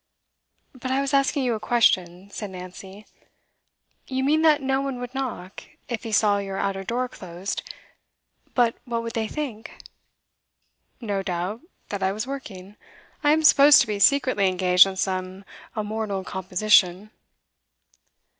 'But I was asking you a question,' said Nancy. 'You mean that no one would knock, if he saw your outer door closed. But what would they think?' 'No doubt that I was working. I am supposed to be secretly engaged on some immortal composition.